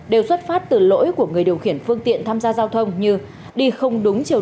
đều xuất phát từ lỗi của người điều khiển phương tiện tham gia giao thông như đi không đúng chiều